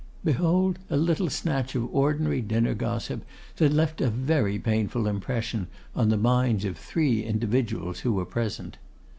Behold a little snatch of ordinary dinner gossip that left a very painful impression on the minds of three individuals who were present.